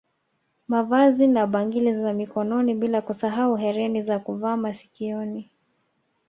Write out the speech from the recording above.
Mavazi na bangili za Mikononi bila kusahau hereni za kuvaa masikioni